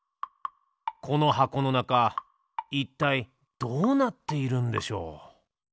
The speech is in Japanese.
この箱のなかいったいどうなっているんでしょう？